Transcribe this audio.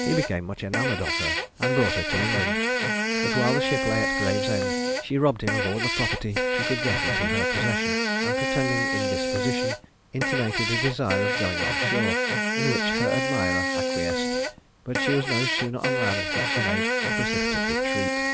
He became much enamoured of her, and brought her to England; but while the ship lay at Gravesend, she robbed him of all the property she could get into her possession, and pretending indisposition, intimated a desire of going on shore, in which her admirer acquiesced; but she was no sooner on land than she made a precipitate retreat.